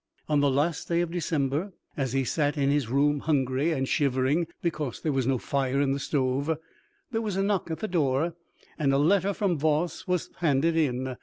On the last day of December, as he sat in his room, hungry, and shivering because there was no fire in the stove, there was a knock at the door, and a letter from Voss was handed in.